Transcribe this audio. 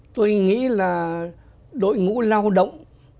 tôi nghĩ là đội ngũ lao động